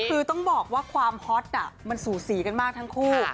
คือต้องบอกว่าความฮอตมันสูสีกันมากทั้งคู่